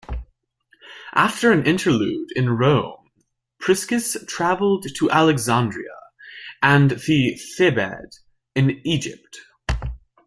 After an interlude in Rome, Priscus traveled to Alexandria and the Thebaid in Egypt.